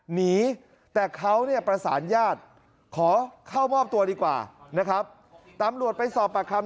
หนีแต่เขาเนี่ยประสานญาติขอเข้ามอบตัวดีกว่านะครับตำรวจไปสอบปากคำ